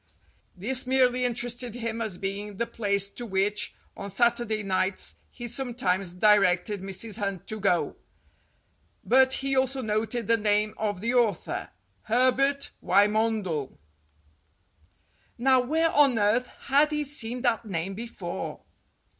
This merely interested him as being the place to which on Saturday nights he sometimes directed Mrs. Hunt to go ; but he also noted the name of the author, Her bert Wymondel. Now where on earth had he seen that name before